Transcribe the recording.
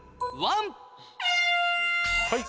はい。